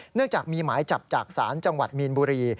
เนื่องจากมีหมายจับจากศาลจังหวัดมีนบุรี